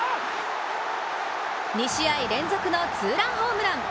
２試合連続のツーランホームラン。